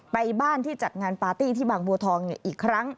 ไปบ้านที่จัดงานปาร์ตี้ที่บางบัวทองอีกครั้ง